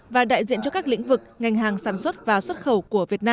và đại diện cho các lĩnh vực ngành hàng sản xuất và xuất khẩu của việt nam